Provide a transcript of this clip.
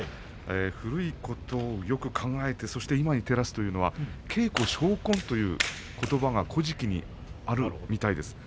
古いことをよく考えて今に照らすというのは稽古照今ということばが「古事記」にあるみたいです。